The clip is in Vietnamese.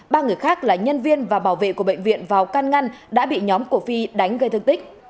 ba người khác là nhân viên và bảo vệ của bệnh viện vào can ngăn đã bị nhóm của phi đánh gây thương tích